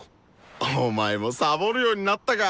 お前もサボるようになったか！